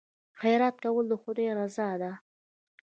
خیرات کول د خدای رضا ده.